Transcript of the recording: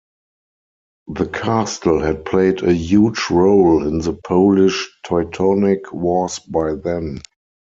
The castle had played a huge role in the Polish-Teutonic wars by then.